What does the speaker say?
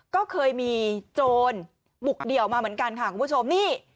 ก็เคยมีโจรบุกเดี่ยวมาเหมือนกันค่ะคุณผู้ชมนี่